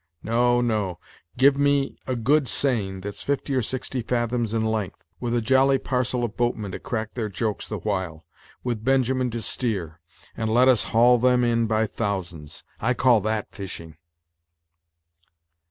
No, no give me a good seine that's fifty or sixty fathoms in length, with a jolly parcel of boatmen to crack their jokes the while, with Benjamin to steer, and let us haul them in by thousands; I call that fishing."